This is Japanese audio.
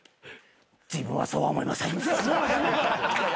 自分はそうは思いません。